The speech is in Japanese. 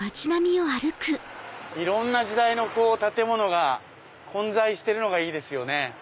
いろんな時代の建物が混在してるのがいいですよね。